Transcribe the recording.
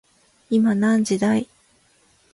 今何時だい